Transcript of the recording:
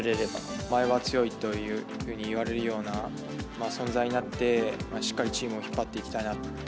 お前は強いというふうに言われるような存在になって、しっかりチームを引っ張っていきたいなと。